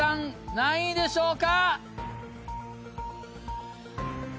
何位でしょうか？